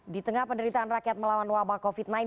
di tengah penderitaan rakyat melawan wabah covid sembilan belas